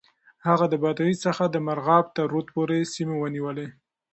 هغه د بادغيس څخه د مرغاب تر رود پورې سيمې ونيولې.